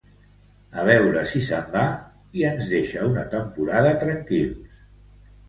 A veure si se'n va i ens deixa una temporada tranquils!